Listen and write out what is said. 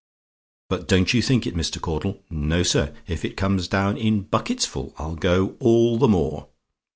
But don't you think it, Mr. Caudle. No, sir; if it comes down in buckets full I'll go all the more.